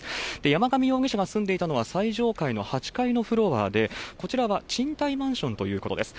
山上容疑者が住んでいたのは最上階の８階のフロアで、こちらは賃貸マンションということです。